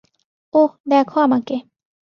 ওহ, দেখো আমাকে!